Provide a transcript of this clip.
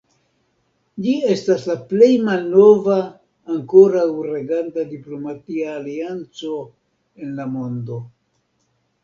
Ĝi estas la plej malnova ankoraŭ reganta diplomatia alianco en la mondo.